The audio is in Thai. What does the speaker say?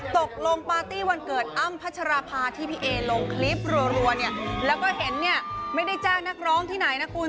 ตกลงปาร์ตี้วันเกิดอ้ำพัชราภาที่พี่เอลงคลิปรัวเนี่ยแล้วก็เห็นเนี่ยไม่ได้จ้างนักร้องที่ไหนนะคุณ